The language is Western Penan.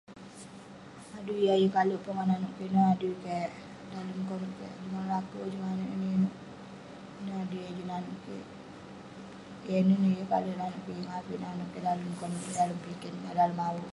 Adui yah yeng kalek pongah nanouk kek ineh, adui kek dalem konep kek, adui manouk laker, juk manouk inouk inouk. Ineh adui yah juk nanouk kik. Yah inen neh [unintelligible]